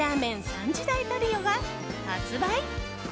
３時代トリオが発売。